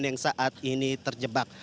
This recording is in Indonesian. yang saat ini terjebak